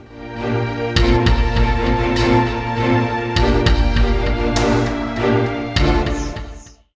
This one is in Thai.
โปรดติดตามตอนต่อไป